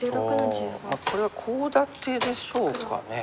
ああこれはコウ立てでしょうかね。